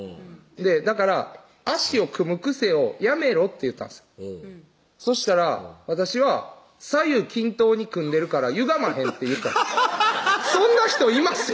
だから「足を組む癖をやめろ」って言ったんですよそしたら「私は左右均等に組んでるからゆがまへん」って言ったんです